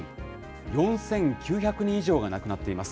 ４９００人以上が亡くなっています。